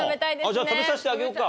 じゃあ食べさせてあげようか。